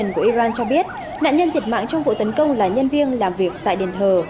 nạn nhân thiệt mạng trong vụ tấn công là nhân viên làm việc tại đền thờ